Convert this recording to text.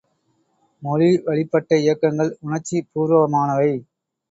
மொழி வழிப்பட்ட இயக்கங்கள் உணர்ச்சி பூர்வமானவை.